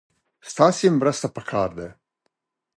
ستاسې مرسته پکار ده.